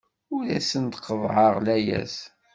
Ur asen-qeḍḍɛeɣ layas.